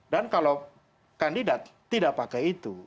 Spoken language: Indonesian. dan kalau kandidat tidak pakai itu